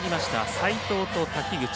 齋藤と滝口。